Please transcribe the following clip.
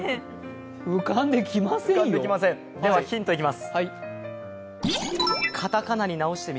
ヒントいきます。